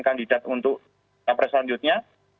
kandidat untuk capres selanjutnya